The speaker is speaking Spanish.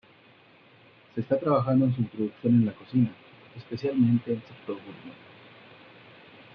Se está trabajando en su introducción en la cocina, especialmente en sector gourmet.